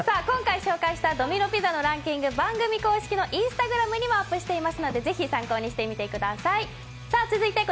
今回紹介したドミノ・ピザのランキング、番組公式Ｉｎｓｔａｇｒａｍにもアップしていますので、ぜひ参考にしてみてください。